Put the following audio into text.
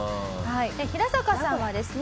ヒラサカさんはですね